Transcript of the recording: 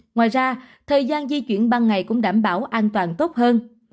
ngoài ra thời gian di chuyển ban ngày cũng đảm bảo an toàn tốt hơn